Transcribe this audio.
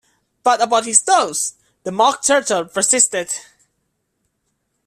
‘But about his toes?’ the Mock Turtle persisted.